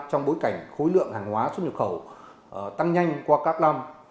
trong bối cảnh khối lượng hàng hóa xuất nhập khẩu tăng nhanh qua các năm